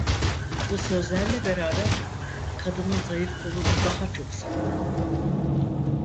Bu sözlerle beraber kadının zayıf kolunu daha çok sıktı.